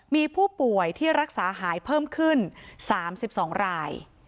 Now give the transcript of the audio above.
มีผู้ป่วยที่รักษาหายเพิ่มขึ้น๓๒ราย